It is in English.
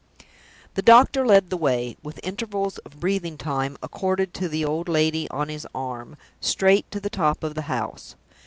The doctor led the way with intervals of breathing time accorded to the old lady on his arm straight to the top of the house.